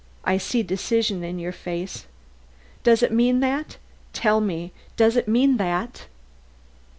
I see decision in your face. Does it mean that? Tell me! Does it mean that?"